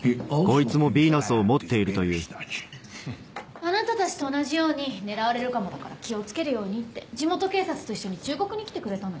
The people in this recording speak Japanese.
あなたたちと同じように狙われるかもだから気を付けるようにって地元警察と一緒に忠告に来てくれたのよ。